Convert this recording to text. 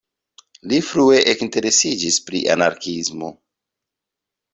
Li frue ekinteresiĝis pri anarkiismo.